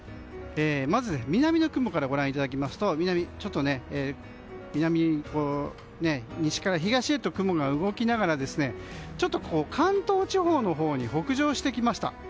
まず、南の雲からご覧いただきますとちょっと南、西から東へと雲が動きながら関東地方のほうに北上してきました。